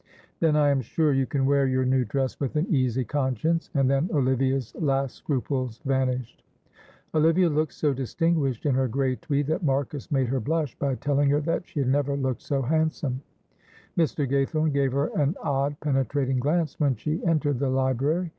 "Then I am sure you can wear your new dress with an easy conscience," and then Olivia's last scruples vanished. Olivia looked so distinguished in her grey tweed that Marcus made her blush by telling her that she had never looked so handsome. Mr. Gaythorne gave her an odd penetrating glance when she entered the library.